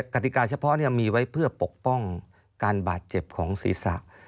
กติกาเฉพาะมีไว้เพื่อปกป้องการบาดเจ็บของศีรษะ